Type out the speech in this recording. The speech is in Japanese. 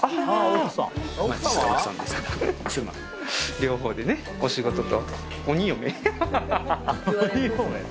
両方でねお仕事と。